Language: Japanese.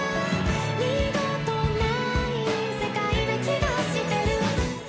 「二度とない世界な気がしてる」